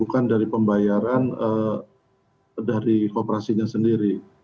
bukan dari pembayaran dari kooperasinya sendiri